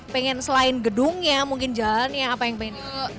pengen selain gedungnya mungkin jalannya apa yang pengen